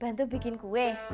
bantu bikin kue